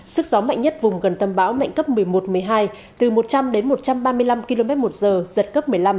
sức gió mạnh nhất vùng gần tâm bão mạnh cấp một mươi một một mươi hai từ một trăm linh đến một trăm ba mươi năm km một giờ giật cấp một mươi năm